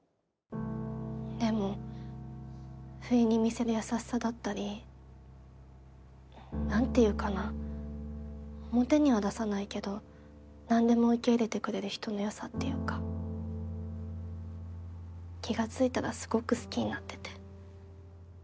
でも不意に見せる優しさだったりなんて言うかな表には出さないけど何でも受け入れてくれる人の良さっていうか気が付いたらすごく好きになってて。